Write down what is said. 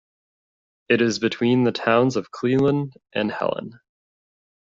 It is between the towns of Cleveland and Helen.